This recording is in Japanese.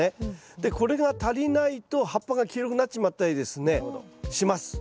でこれが足りないと葉っぱが黄色くなっちまったりですねします。